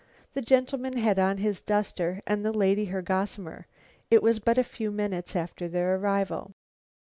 The gentleman had on his duster and the lady her gossamer; it was but a few minutes after their arrival.